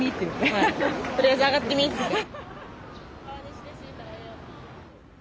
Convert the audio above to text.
はいとりあえず上がってみっつって。